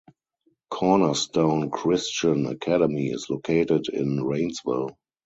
Cornerstone Christian Academy is located in Rainsville.